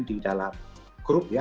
di dalam grup ya